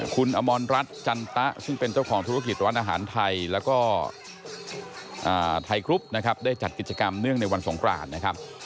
คุณอมรรัฐจันตะซึ่งเป็นเจ้าของธุรกิจร้านอาหารไทยแล้วก็ไทยกรุ๊ปนะครับได้จัดกิจกรรมเนื่องในวันสงครานนะครับ